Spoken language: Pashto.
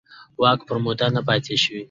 واک پر موده نه پاتې شوي.